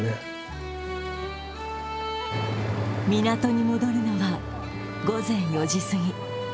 港に戻るのは午前４時過ぎ。